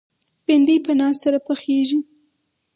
بېنډۍ په ناز سره پخېږي